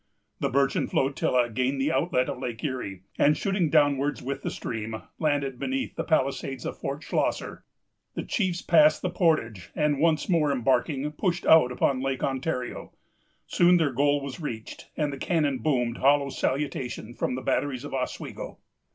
The birchen flotilla gained the outlet of Lake Erie, and, shooting downwards with the stream, landed beneath the palisades of Fort Schlosser. The chiefs passed the portage, and, once more embarking, pushed out upon Lake Ontario. Soon their goal was reached, and the cannon boomed hollow salutation from the batteries of Oswego.